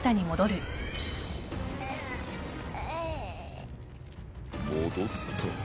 戻った？